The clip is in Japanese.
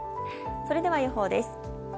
それでは、予報です。